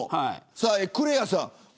クレアさん。